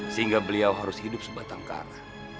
sehingga beliau harus hidup sebatang kara